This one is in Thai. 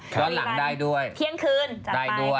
ตอนหลังได้ด้วยเพียงคืนจะไป